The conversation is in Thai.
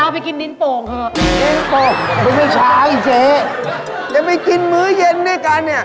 พี่บอลเรียนโรงเรียนดีด้วยนะเนี้ย